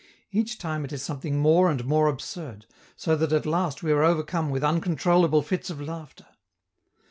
Each time it is something more and more absurd, so that at last we are overcome with uncontrollable fits of laughter.